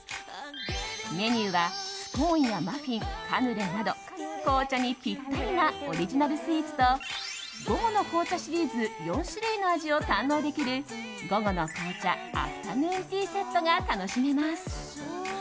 メニューはスコーンやマフィン、カヌレなど紅茶にピッタリなオリジナルスイーツと午後の紅茶シリーズ４種類の味を堪能できる午後の紅茶アフタヌーンティーセットが楽しめます。